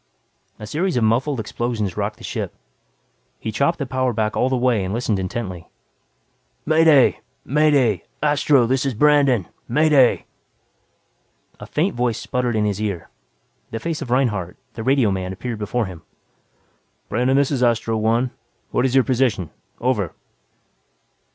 A series of muffled explosions rocked the ship. He chopped the power back all the way and listened intently. "May Day! May Day! Astro, this is Brandon. May Day!" A faint voice sputtered in his ear, the face of Reinhardt, the radioman appeared before him. "Brandon, this is Astro One. What is your position? Over."